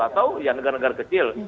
atau yang negara negara kecil